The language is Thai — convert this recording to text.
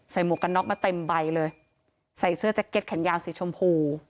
หมวกกันน็อกมาเต็มใบเลยใส่เสื้อแจ็คเก็ตแขนยาวสีชมพู